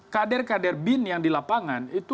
kader kader bin yang di lapangan itu